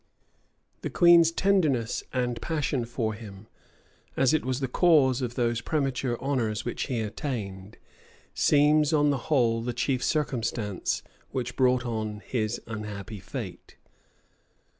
The queen's tenderness and passion for him, as it was the cause of those premature honors which he attained, seems, on the whole, the chief circumstance which brought on his unhappy fate.